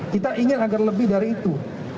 kita ingin agar lebih dari itu